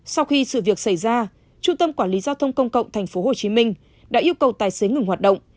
sau khi sự việc xảy ra trung tâm quản lý giao thông công cộng tp hcm đã yêu cầu tài xế ngừng hoạt động